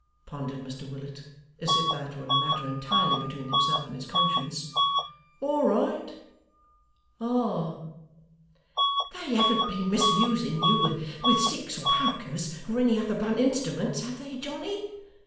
pondered Mr Willet, as if that were a matter entirely between himself and his conscience. 'All right? Ah!' 'They haven't been misusing you with sticks, or pokers, or any other blunt instruments have they, Johnny?